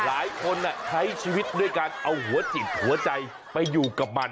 หลายคนใช้ชีวิตด้วยการเอาหัวจิตหัวใจไปอยู่กับมัน